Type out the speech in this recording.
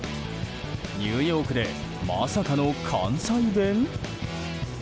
ニューヨークでまさかの関西弁？